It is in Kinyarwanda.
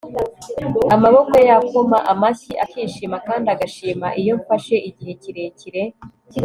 amaboko ye yakoma amashyi akishima kandi agashima iyo mfashe igihe kirekire